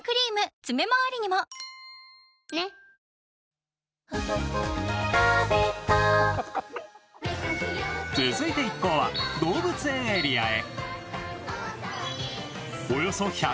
三井不動産続いて一行は動物園エリアへ。